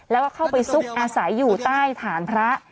แล้วก็เข้าไปซุกอาศัยอยู่ใต้ฐานพระ